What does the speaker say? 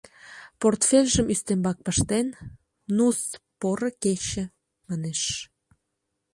Портфельжым ӱстембак пыштен, «Ну-с, поро кече» манеш.